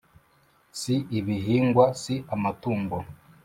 Si ibihingwa si amatungo